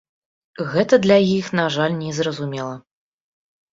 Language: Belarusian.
Гэта для іх, на жаль, не зразумела.